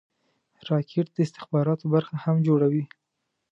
راکټ د استخباراتو برخه هم جوړوي